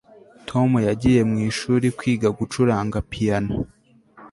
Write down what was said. tom yagiye mwishuri kwiga gucuranga piyano